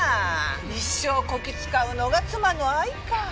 一生こき使うのが妻の愛か。